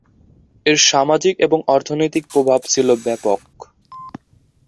এর সামাজিক এবং অর্থনৈতিক প্রভাব ছিল ব্যপক।